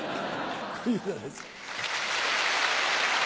小遊三です。